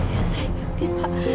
ya saya ngerti pak